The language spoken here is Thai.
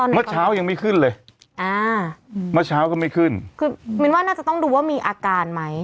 เมื่อเช้ายังไม่ขึ้นเลยอ่าเมื่อเช้าก็ไม่ขึ้นคือมินว่าน่าจะต้องดูว่ามีอาการไหม